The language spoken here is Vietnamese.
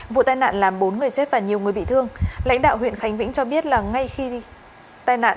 vụ tai nạn làm bốn người chết và nhiều người bị thương lãnh đạo huyện khánh vĩnh cho biết là ngay khi tai nạn